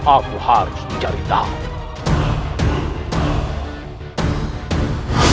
aku harus mencari tahu